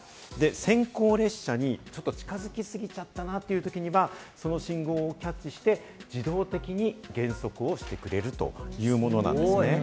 先行列車に近づきすぎちゃったなという時にはその信号をキャッチして、自動的に減速をしてくれるというものなんです。